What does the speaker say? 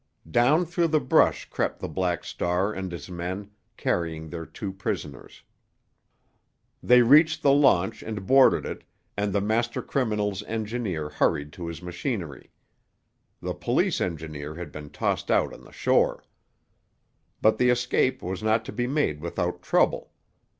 Down through the brush crept the Black Star and his men, carrying their two prisoners. They reached the launch and boarded it, and the master criminal's engineer hurried to his machinery. The police engineer had been tossed out on the shore. But the escape was not to be made without trouble.